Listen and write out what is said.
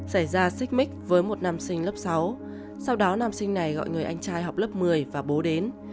xảy ra xích mích với một nam sinh lớp sáu sau đó nam sinh này gọi người anh trai học lớp một mươi và bố đến